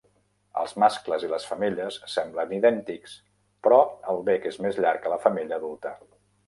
Els mascles i les femelles semblen idèntics, però el bec és més llarg a la femella adulta.